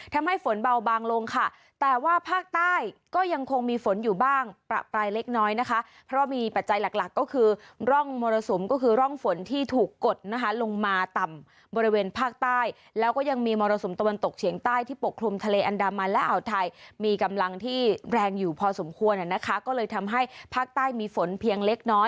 ทำให้ฝนเบาบางลงค่ะแต่ว่าภาคใต้ก็ยังคงมีฝนอยู่บ้างประปรายเล็กน้อยนะคะเพราะมีปัจจัยหลักหลักก็คือร่องมรสุมก็คือร่องฝนที่ถูกกดนะคะลงมาต่ำบริเวณภาคใต้แล้วก็ยังมีมรสุมตะวันตกเฉียงใต้ที่ปกคลุมทะเลอันดามันและอ่าวไทยมีกำลังที่แรงอยู่พอสมควรนะคะก็เลยทำให้ภาคใต้มีฝนเพียงเล็กน้อย